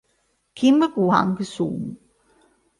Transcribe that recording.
Kim Kwang-sun